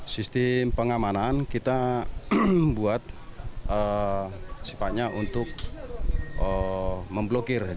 sistem pengamanannya seperti apa